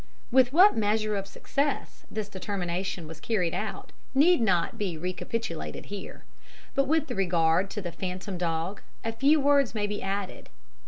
"With what measure of success this determination was carried out need not be recapitulated here; but with regard to the phantom dog a few words may be added.